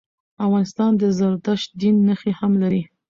افغانستان د زردشت دین نښي هم لري.